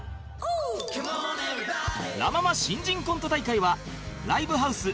ラ・ママ新人コント大会はライブハウス